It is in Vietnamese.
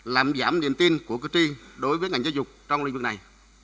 làm giảm niềm tin của cử tri đối với ngành giáo dục trong lĩnh vực này